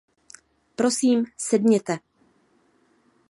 Prosím, sedněte.